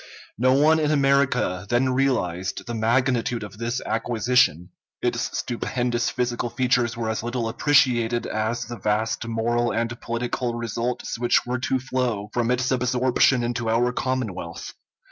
No one in America then realized the magnitude of this acquisition; its stupendous physical features were as little appreciated as the vast moral and political results which were to flow from its absorption into our commonwealth.